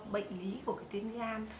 bệnh lý của cái tuyến gan